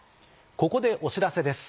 ここでお知らせです。